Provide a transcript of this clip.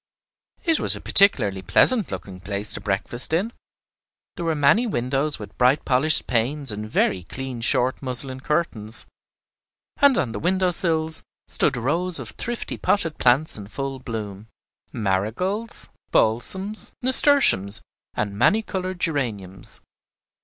It was a particularly pleasant looking place to breakfast in. There were many windows with bright polished panes and very clean short muslin curtains, and on the window sills stood rows of thrifty potted plants in full bloom, marigolds, balsams, nasturtiums, and many colored geraniums.